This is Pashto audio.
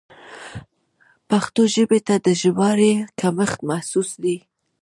پښتو ژبې ته د ژباړې کمښت محسوس دی.